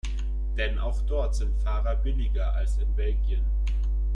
Denn auch dort sind Fahrer billiger als in Belgien.